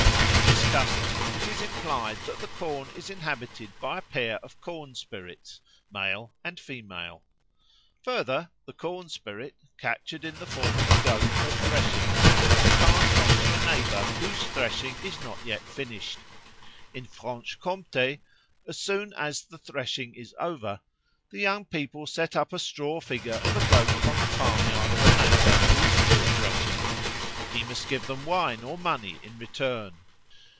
In this custom it is implied that the corn is inhabited by a pair of corn spirits, male and female. Further, the corn spirit, captured in the form of a goat at threshing, is passed on to a neighbour whose threshing is not yet finished. In Franche Comté, as soon as the threshing is over, the young people set up a straw figure of a goat on the farmyard of a neighbour who is still threshing. He must give them wine or money in return.